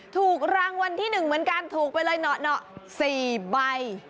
ถูกรางวัลที่๑เหมือนกันถูกไปเลยเหนาะ๔ใบ